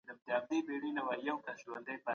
څکونکي نشه یې توکي دوامداره ټوخی رامنځ ته کوي.